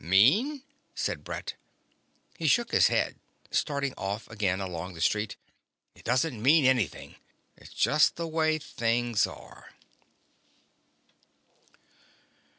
"Mean?" said Brett. He shook his head, started off again along the street. "It doesn't mean anything. It's just the way things are."